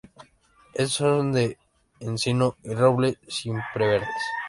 Estos son de encino y roble, siempreverdes.